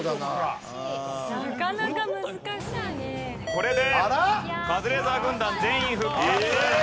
これでカズレーザー軍団全員復活！